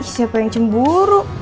siapa yang cemburu